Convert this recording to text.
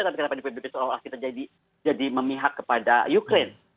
tapi kenapa di pbb seolah olah kita jadi memihak kepada ukraine